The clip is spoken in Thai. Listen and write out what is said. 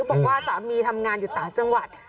บอกว่าสามีทำงานอยู่ต่างจังหวัด